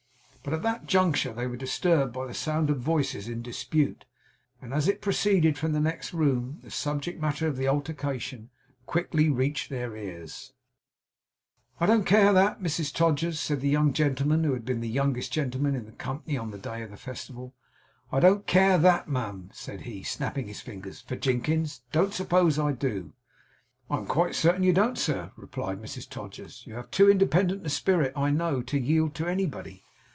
But at that juncture they were disturbed by the sound of voices in dispute; and as it proceeded from the next room, the subject matter of the altercation quickly reached their ears. 'I don't care that! Mrs Todgers,' said the young gentleman who had been the youngest gentleman in company on the day of the festival; 'I don't care THAT, ma'am,' said he, snapping his fingers, 'for Jinkins. Don't suppose I do.' 'I am quite certain you don't, sir,' replied Mrs Todgers. 'You have too independent a spirit, I know, to yield to anybody.